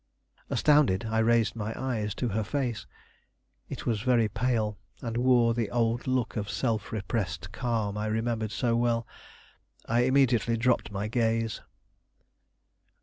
Astounded, I raised my eyes to her face. It was very pale, and wore the old look of self repressed calm I remembered so well. I immediately dropped my gaze.